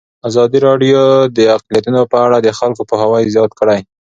ازادي راډیو د اقلیتونه په اړه د خلکو پوهاوی زیات کړی.